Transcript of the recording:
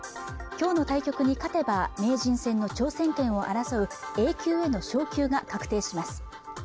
きょうの対局に勝てば名人戦の挑戦権を争うＡ級への昇級が確定します